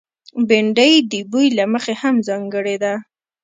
بېنډۍ د بوي له مخې هم ځانګړې ده